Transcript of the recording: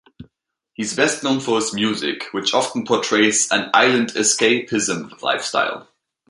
He is best known for his music, which often portrays an "island escapism" lifestyle.